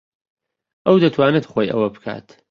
ئەو دەتوانێت خۆی ئەوە بکات.